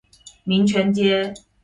民權街